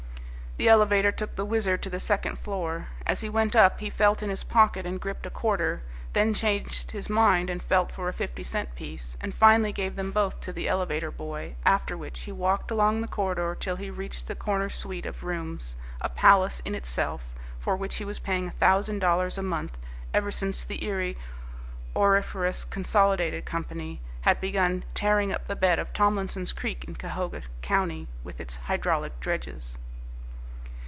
The elevator took the Wizard to the second floor. As he went up he felt in his pocket and gripped a quarter, then changed his mind and felt for a fifty cent piece, and finally gave them both to the elevator boy, after which he walked along the corridor till he reached the corner suite of rooms, a palace in itself, for which he was paying a thousand dollars a month ever since the Erie Auriferous Consolidated Company had begun tearing up the bed of Tomlinson's Creek in Cahoga County with its hydraulic dredges.